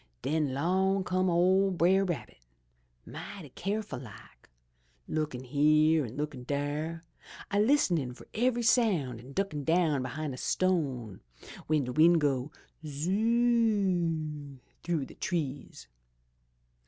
Den 'long come ole Brer Rabbit, mighty keerful like, lookin' here an' lookin' dere, a listenin' fur ev'ry sound an' duckin' down behin' a stone w'en de wind go, 'Zoo oo!' through de trees.